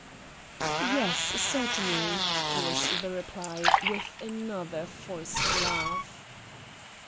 "Yes, certainly," was the reply, with another forced laugh.